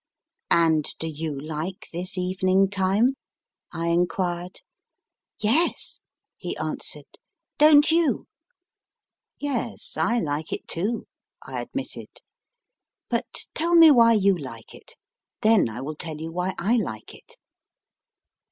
And do you like this evening time ? I enquired. Yes, he answered ; don t you ? 1 Yes, I like it too, 1 admitted. * But tell me why you like it, then I will tell you why I like it.